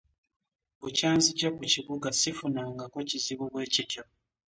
Bukya nzija ku kibuga ssifunangako kizibu bwe kityo.